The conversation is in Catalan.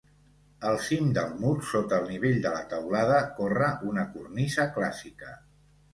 Al cim del mur, sota el nivell de la teulada corre una cornisa clàssica.